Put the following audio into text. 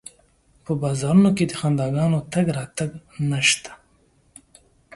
په بازارونو کې د خنداګانو تګ راتګ نشته